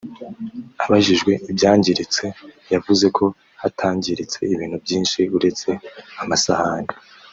Abajijwe ibyangiritse yavuze ko hatangiritse ibintu byinshi uretse amasahani